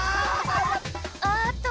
ああっと！